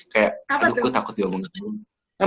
kayak aduh aku takut diomongin